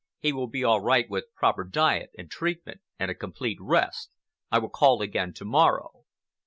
He will be all right with proper diet and treatment, and a complete rest. I will call again to morrow."